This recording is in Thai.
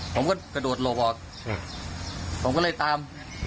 ผมก็กระโดดหลบออกผมก็เลยตาม